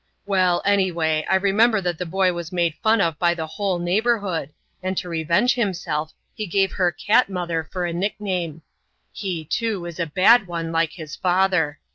"Well, anyway, I remember that the boy was made fun of by the whole neighborhood, and to revenge himself he gave her 'Cat Mother' for a nickname. He, too, is a bad one like his father.